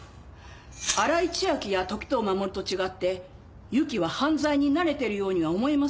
新井千晶や時任守と違ってゆきは犯罪に慣れてるようには思えません。